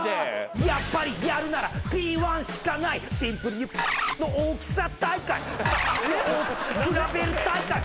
「やっぱりやるならＰ−１しかない」「シンプルにの大きさ大会の大きさ比べる大会」